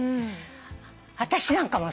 私なんかもさ。